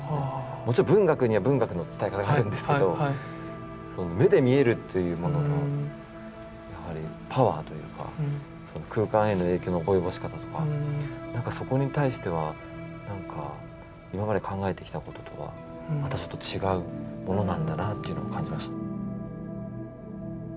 もちろん文学には文学の伝え方があるんですけど目で見えるというもののやはりパワーというか空間への影響の及ぼし方とかそこに対しては今まで考えてきたこととはまたちょっと違うものなんだなというのを感じました。